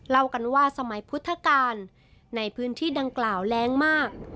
เล่ากันว่าสมัยพุทธกาลในพื้นที่ดังกล่าวแรงมาก